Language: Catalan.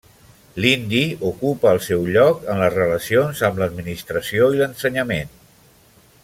L'hindi ocupa el seu lloc en les relacions amb l'administració i l'ensenyament.